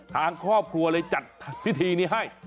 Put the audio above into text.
ทางครอบครัวเลยจัดพิธีนี้ให้